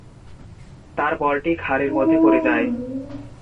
তার বলটি খাঁড়ির মধ্যে পড়ে যায়।